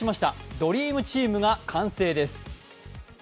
ドリームチームが完成です。